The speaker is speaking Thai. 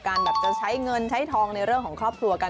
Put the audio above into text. อย่างแรกเลยก็คือการทำบุญเกี่ยวกับเรื่องของพวกการเงินโชคลาภ